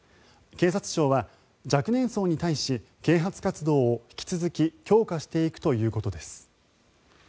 警察庁は若年層に対し啓発活動を引き続き強化していくということです。